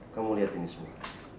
kamu lihat ini semua